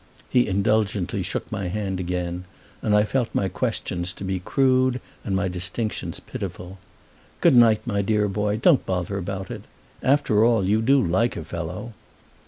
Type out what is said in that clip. He indulgently shook my hand again, and I felt my questions to be crude and my distinctions pitiful. "Good night, my dear boy—don't bother about it. After all, you do like a fellow."